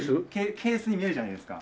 ケースに見えるじゃないですか。